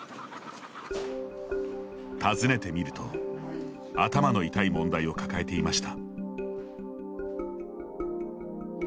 訪ねてみると頭の痛い問題を抱えていました。